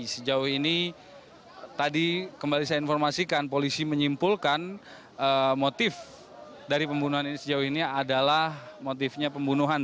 sejauh ini tadi kembali saya informasikan polisi menyimpulkan motif dari pembunuhan ini sejauh ini adalah motifnya pembunuhan